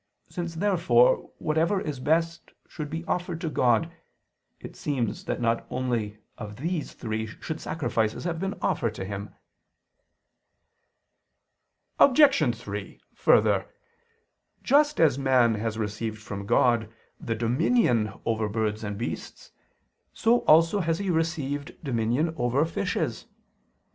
Since therefore whatever is best should be offered to God, it seems that not only of these three should sacrifices have been offered to Him. Obj. 3: Further, just as man has received from God the dominion over birds and beasts, so also has he received dominion over fishes.